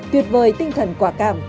tuyệt vời tinh thần quả cảm